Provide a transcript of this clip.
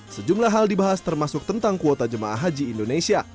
sejumlah hal dibahas termasuk tentang kuota jemaah haji indonesia